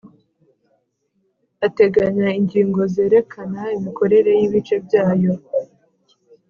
ateganya ingingo zerekana imikorere y ibice byayo